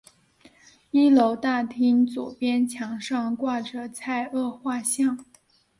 一楼大厅左边墙上挂着蔡锷画像。